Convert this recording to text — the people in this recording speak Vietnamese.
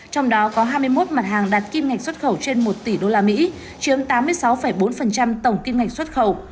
trong đó có hai mươi một mặt hàng đạt kim ngạch xuất khẩu trên một tỷ usd chiếm tám mươi sáu bốn tổng kim ngạch xuất khẩu